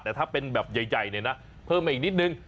แต่ถ้าเป็นแบบใหญ่เนี่ยนะเพิ่มมาอีกนิดนึง